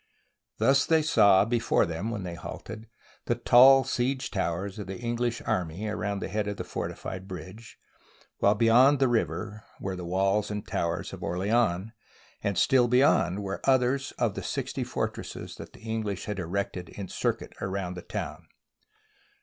Thus they saw before them, when they halted, the tall siege towers of the English army around the head of the fortified bridge, while beyond the river were the walls and towers of Orleans, and still be yond were others of the sixty fortresses that the English had erected in circuit about the town.